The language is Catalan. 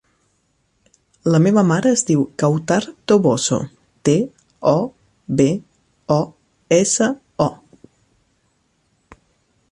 La meva mare es diu Kawtar Toboso: te, o, be, o, essa, o.